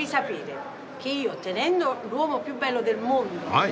はい！